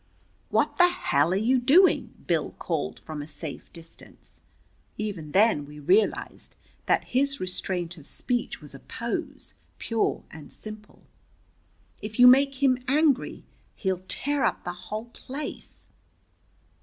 "What the hell are you doing?" Bill called from a safe distance. Even then we realized that his restraint of speech was a pose, pure and simple. "If you make him angry he'll tear up the whole place."